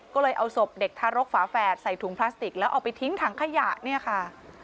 ก็เลยเอาศพเด็กทารกฝาแฝดใส่ถุงพลาสติกแล้วเอาไปทิ้งถังขยะเนี่ยค่ะ